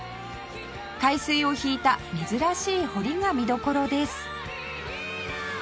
海水を引いた珍しい堀が見どころです